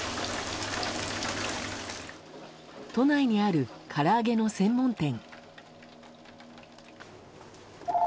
都内にあるから揚げの専門店。